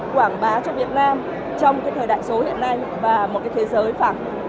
quảng bá cho việt nam trong cái thời đại số hiện nay và một cái thế giới phả